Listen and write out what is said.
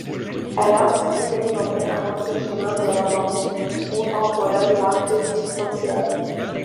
Elle a aussi développé un autre chemin de la danse contemporaine, la critique sociale.